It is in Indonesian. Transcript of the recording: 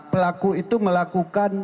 pelaku itu melakukan